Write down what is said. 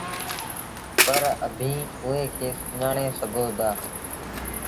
پر اڀيٚنٚ اُئي کي سُڃآڻي سگھو دآ